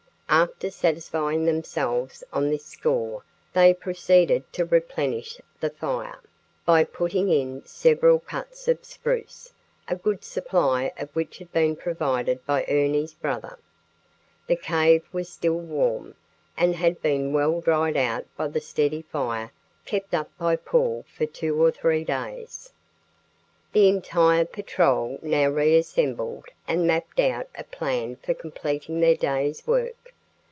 After satisfying themselves on this score they proceeded to replenish the fire, by putting in several cuts of spruce, a good supply of which had been provided by Ernie's brother. The cave was still warm and had been well dried out by the steady fire kept up by Paul for two or three days. The entire patrol now reassembled and mapped out a plan for completing their day's work.